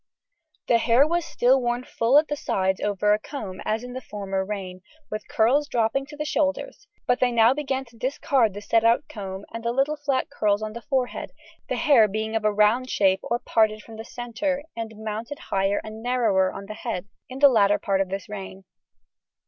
The hair was still worn full at the sides over a comb, as in the former reign, with curls dropping to the shoulders, but they now began to discard the set out comb and the little flat curls on the forehead, the hair being of a round shape or parted from the centre and mounted higher and narrower on the head, in the latter part of this reign.